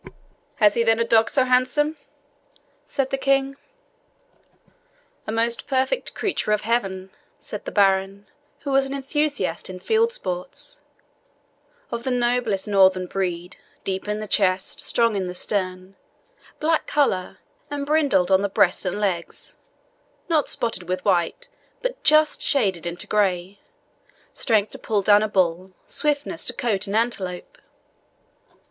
"Has he, then, a dog so handsome?" said the King. "A most perfect creature of Heaven," said the baron, who was an enthusiast in field sports "of the noblest Northern breed deep in the chest, strong in the stern black colour, and brindled on the breast and legs, not spotted with white, but just shaded into grey strength to pull down a bull, swiftness to cote an antelope."